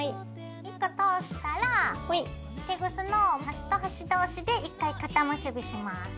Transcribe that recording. １個通したらテグスの端と端同士で１回かた結びします。